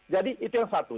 jadi itu yang satu